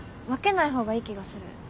分けない方がいい気がする。